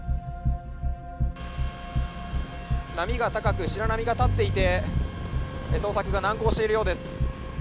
「波が高く白波が立っていて捜索が難航しているようです」